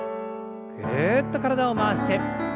ぐるっと体を回して。